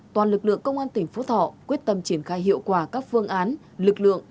toàn lực lượng công an tỉnh phú thọ quyết tâm triển khai hiệu quả các phương án lực lượng